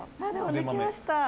できました。